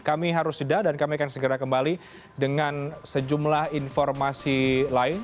kami harus jeda dan kami akan segera kembali dengan sejumlah informasi lain